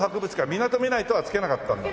「みなとみらい」とは付けなかったんだ？